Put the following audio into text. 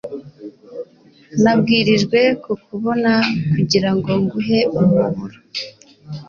Nabwirijwe kukubona kugirango nguhe umuburo.